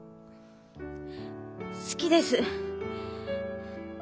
好きです。